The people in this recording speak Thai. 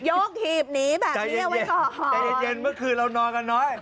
กหีบหนีแบบนี้เอาไว้ก่อนใจเย็นเมื่อคืนเรานอนกันน้อย